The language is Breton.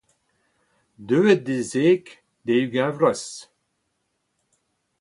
deut d'e zek, d'e ugent vloaz